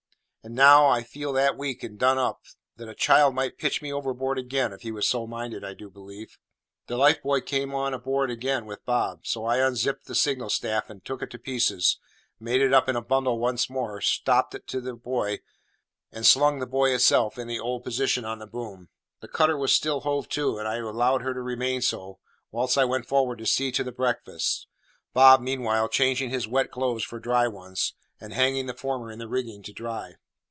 And now, I feel that weak and done up, that a child might pitch me overboard ag'in, if he was so minded, I do believe." The life buoy came aboard again with Bob; so I unshipped the signal staff and took it to pieces, made it up in a bundle once more, stopped it to the buoy, and slung the buoy itself in its old position on the boom. The cutter was still hove to, and I allowed her to remain so, whilst I went forward to see to the breakfast, Bob meanwhile changing his wet clothes for dry ones, and hanging the former in the rigging to dry.